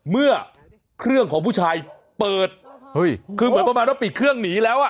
เมื่อเครื่องของผู้ชายเปิดเฮ้ยคือเหมือนประมาณว่าปิดเครื่องหนีแล้วอ่ะ